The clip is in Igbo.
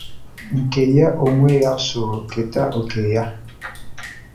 nke ya onwe ya sòrò kèta òkè ya.